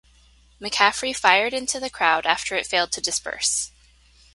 McCaffrey fired into the crowd after it failed to disperse.